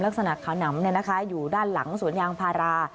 ลักษณะขาวหนำอยู่ด้านหลังสวนยางพารา